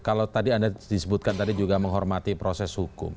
kalau tadi anda disebutkan tadi juga menghormati proses hukum